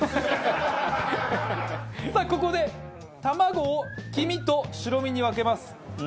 さあ、ここで卵を黄身と白身に分けます。